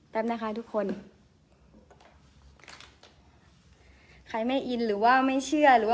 ประเด็นตอนนี้คือหาแชทสิวะ